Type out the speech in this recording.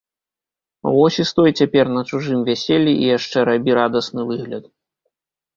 Вось і стой цяпер на чужым вяселлі і яшчэ рабі радасны выгляд.